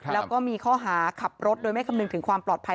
แล้วก็มีข้อหาขับรถโดยไม่คำนึงถึงความปลอดภัย